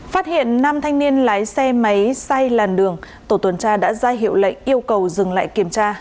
phát hiện nam thanh niên lái xe máy xay làn đường tổ tuần tra đã ra hiệu lệnh yêu cầu dừng lại kiểm tra